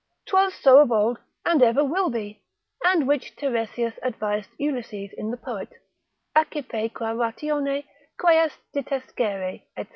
'Twas so of old, and ever will be, and which Tiresias advised Ulysses in the poet,—Accipe qua ratione queas ditescere, &c.